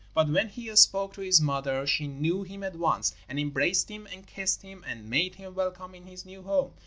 But when he spoke to his mother she knew him at once, and embraced him and kissed him, and made him welcome in his new home.